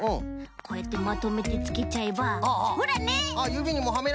こうやってまとめてつけちゃえばほらね！